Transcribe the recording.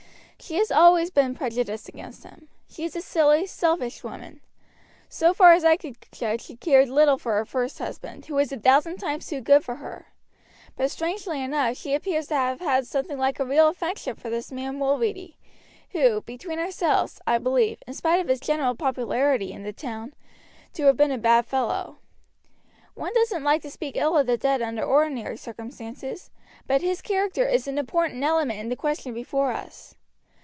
"She has always been prejudiced against him. She is a silly, selfish woman. So far as I could judge she cared little for her first husband, who was a thousand times too good for her; but strangely enough she appears to have had something like a real affection for this man Mulready, who, between ourselves, I believe, in spite of his general popularity in the town, to have been a bad fellow. One doesn't like to speak ill of the dead under ordinary circumstances, but his character is an important element in the question before us.